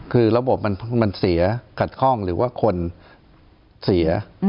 คือระบบมันเสียขัดข้องหรือว่าคนเสีย